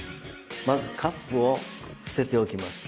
まずカップを伏せておきます